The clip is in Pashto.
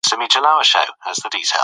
دی په خپل ژوند کې د یوې رڼا په تمه دی.